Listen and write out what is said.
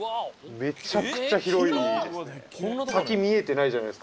めちゃくちゃ広いですね。